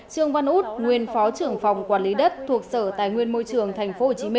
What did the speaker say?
trương văn út nguyên phó trưởng phòng quản lý đất thuộc sở tài nguyên môi trường tp hcm